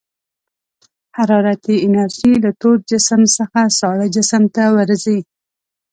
حرارتي انرژي له تود جسم څخه ساړه جسم ته ورځي.